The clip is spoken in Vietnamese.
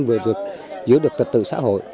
vừa được giữ được trật tự xã hội